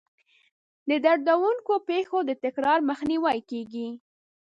د دردونکو پېښو د تکرار مخنیوی کیږي.